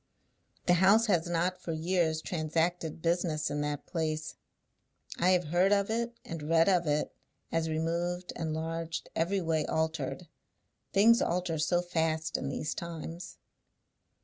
"The house has not, for years, transacted business in that place. I have heard of it, and read of it, as removed, enlarged, every way altered. Things alter so fast in these times."